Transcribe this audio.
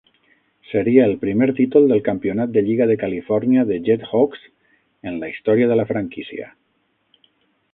Seria el primer títol del Campionat de Lliga de Califòrnia de JetHawks en la història de la franquícia.